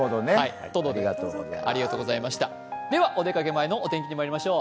ではお出かけ前のお天気にまいりましょう。